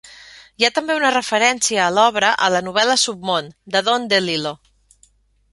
Hi ha també una referència a l'obra a la novel·la "Submon" de Don DeLillo.